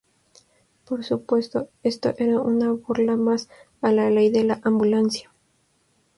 Por supuesto, esto era una burla más a la Ley de la Ambulancia.